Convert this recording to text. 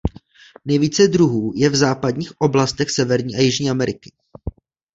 Nejvíce druhů je v západních oblastech Severní a Jižní Ameriky.